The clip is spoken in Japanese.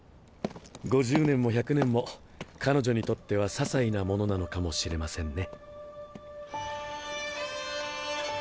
５０年も１００年も彼女にとっては些細なものなのかもしれませんね。